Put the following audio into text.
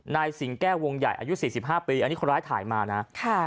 สิงแก้ววงใหญ่อายุ๔๕ปีอันนี้คนร้ายถ่ายมานะ